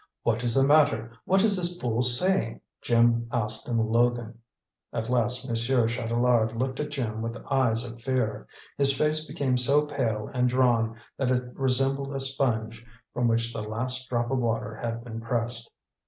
"What is the matter? What is this fool saying?" Jim asked in loathing. At last Monsieur Chatelard looked at Jim with eyes of fear. His face became so pale and drawn that it resembled a sponge from which the last drop of water had been pressed.